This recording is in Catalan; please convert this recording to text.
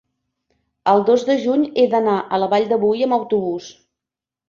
el dos de juny he d'anar a la Vall de Boí amb autobús.